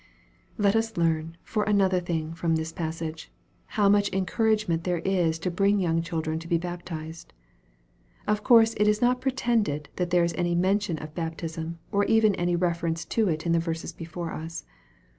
Let us learn, for another thing, from this passage, how much encouragement there is to bring young children to be baptized. Of course it is not pretended that there is any mention of baptism, or even any reference to it in the verses before us.